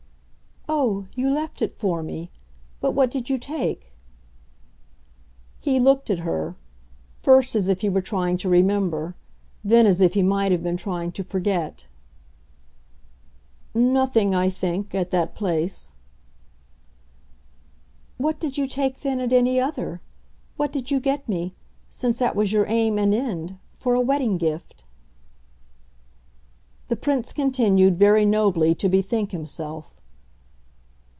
"Oh, you left it for me. But what did you take?" He looked at her; first as if he were trying to remember, then as if he might have been trying to forget. "Nothing, I think at that place." "What did you take then at any other? What did you get me since that was your aim and end for a wedding gift?" The Prince continued very nobly to bethink himself.